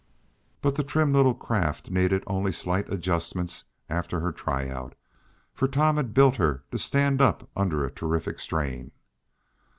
But the trim little craft needed only slight adjustments after her tryout, for Tom had built her to stand up under a terrific strain.